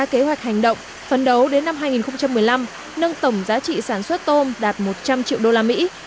theo kế hoạch hành động phấn đấu đến năm hai nghìn một mươi năm nâng tổng giá trị sản xuất tôm đạt một trăm linh triệu usd